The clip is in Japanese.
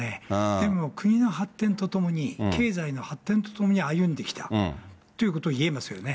でも、国の発展とともに、経済の発展とともに歩んできたということは言えますよね。